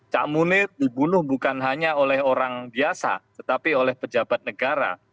cak munir dibunuh bukan hanya oleh orang biasa tetapi oleh pejabat negara